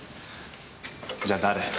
じゃあ誰？